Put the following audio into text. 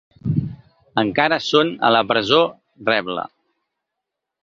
Encara són a la presó, rebla.